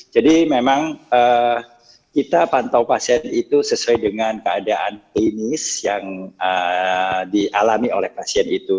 jadi memang kita pantau pasien itu sesuai dengan keadaan klinis yang dialami oleh pasien itu